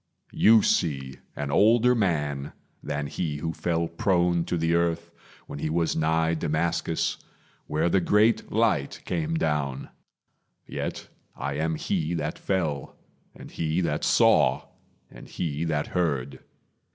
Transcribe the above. You see an older man than he who fell Prone to the earth when he was nigh Damascus, Where the great light came down; yet I am he That fell, and he that saw, and he that heard.